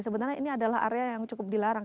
sebenarnya ini adalah area yang cukup dilarang